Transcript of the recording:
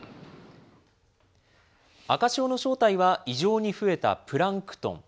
赤潮の正体は異常に増えたプランクトン。